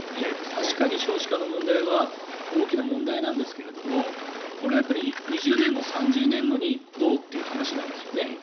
確かに、少子化の問題は大きな問題なんですけどもこれは２０年後、３０年後にどうという話ですよね。